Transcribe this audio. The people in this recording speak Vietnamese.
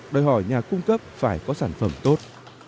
đòi hỏi nhà cung cấp phải có sản phẩm tốt